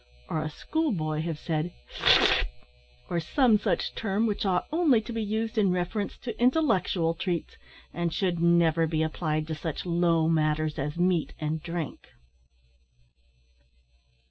or a schoolboy have said, "Hlpluhplp," [see note 1], or some such term which ought only to be used in reference to intellectual treats, and should never be applied to such low matters as meat and drink.